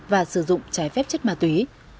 và sử dụng trái phép chất ma túy